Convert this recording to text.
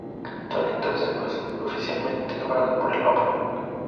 Son entonces oficialmente nombrados por el Papa.